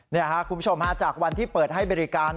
นี้คุณผู้ชมจากวันที่เปิดให้บริการ